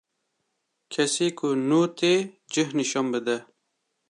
Kesî ku nû tê cih nişan bide